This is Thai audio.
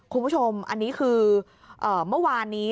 คุณผู้ชมอันนี้คือเมื่อวานนี้